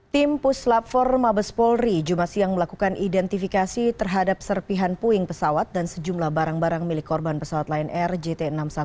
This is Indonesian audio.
tim puslap empat mabes polri jumat siang melakukan identifikasi terhadap serpihan puing pesawat dan sejumlah barang barang milik korban pesawat lion air jt enam ratus sepuluh